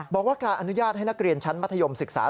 บอกว่าการอนุญาตให้นักเรียนชั้นมัธยมศึกษา